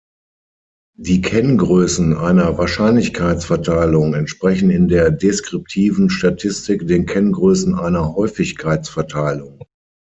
Die Kenngrößen einer Wahrscheinlichkeitsverteilung entsprechen in der deskriptiven Statistik den Kenngrößen einer Häufigkeitsverteilung.